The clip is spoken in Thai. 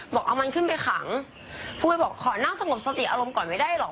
บอกเอามันขึ้นไปขังพูดเลยบอกขอนั่งสงบสติอารมณ์ก่อนไม่ได้หรอก